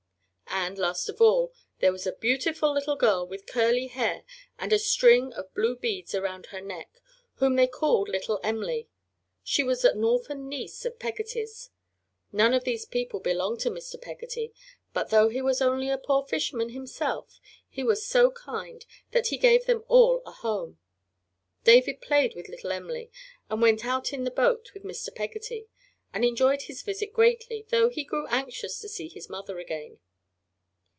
And, last of all, there was a beautiful little girl with curly hair and a string of blue beads around her neck whom they called Little Em'ly. She was an orphan niece of Peggotty's. None of these people belonged to Mr. Peggotty, but, though he was only a poor fisherman himself, he was so kind that he gave them all a home. David played with little Em'ly, and went out in the boat with Mr. Peggotty, and enjoyed his visit greatly, though he grew anxious to see his mother again.